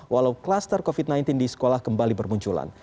walau klaster covid sembilan belas di sekolah kembali bermunculan